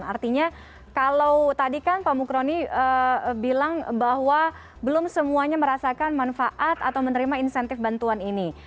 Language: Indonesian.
artinya kalau tadi kan pak mukroni bilang bahwa belum semuanya merasakan manfaat atau menerima insentif bantuan ini